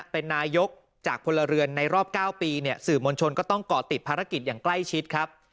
เป็นนายกจากพลเรือนในรอบ๙ปีเนี่ยสื่อมวลชนก็ต้องก่อติดภารกิจอย่างใกล้ชิดครับ